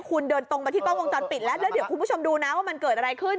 คุณเดินตรงมาที่กล้องวงจรปิดแล้วแล้วเดี๋ยวคุณผู้ชมดูนะว่ามันเกิดอะไรขึ้น